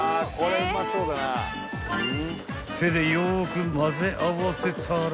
［手でよくまぜ合わせたら］